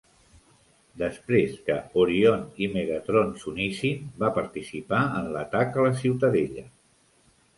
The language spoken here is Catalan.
Després que Orion i Megatron s'unissin, va participar en l'atac a la Ciutadella.